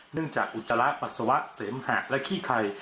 จากอุจจาระปัสสาวะเสมหะและขี้ไข่